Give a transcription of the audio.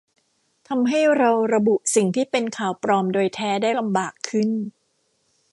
ทำให้เราระบุสิ่งที่เป็นข่าวปลอมโดยแท้ได้ลำบากขึ้น